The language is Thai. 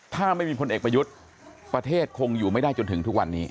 ถ้าไม่มีพลเอกประยุทธ์ประเทศคงอยู่ไม่ได้จนถึงทุกวันนี้